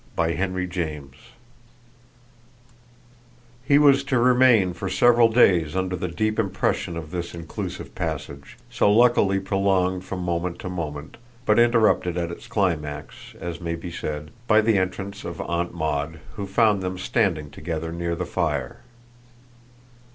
Book Tenth, Chapter 2 He was to remain for several days under the deep impression of this inclusive passage, so luckily prolonged from moment to moment, but interrupted at its climax, as may be said, by the entrance of Aunt Maud, who found them standing together near the fire.